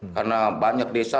karena banyak desa